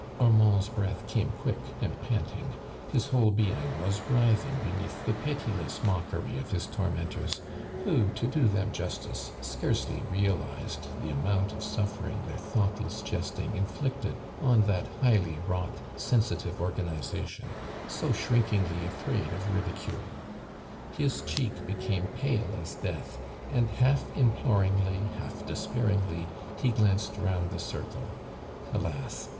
Armand's breath came (|uick and panting. His whole being was writliing beneath the pitiless mockery of his tormentors, wjio. to do them justice, scaicely realized tiio amount of suffering their thoughtless jesting inllict ed on that highly wrought sensitive organ izjition, so shrinkingly afraid of ridicule. His check became pale as ileath, and h.ilf imploringly, hall' despairingly he glanceil round the circle. Alas